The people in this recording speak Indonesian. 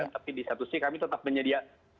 tapi di satu sisi kami tetap menyediakan